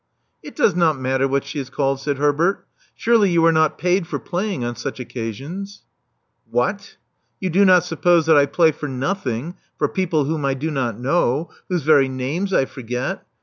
It does not matter what she is called," said Herbert. Surely you are not paid for playing on such occasions?" What! You do not suppose that I play for nothing for people whom I do not know — ^whose very names I forget.